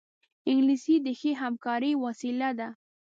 انګلیسي د ښې همکارۍ وسیله ده